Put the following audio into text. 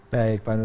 baik pak nudin